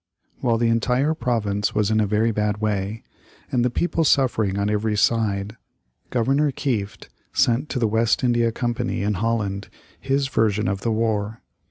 While the entire province was in a very bad way, and the people suffering on every side, Governor Kieft sent to the West India Company in Holland his version of the war.